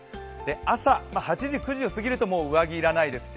朝、８時、９時を過ぎるともう上着要らないですし